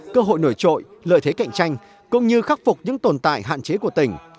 cơ hội nổi trội lợi thế cạnh tranh cũng như khắc phục những tồn tại hạn chế của tỉnh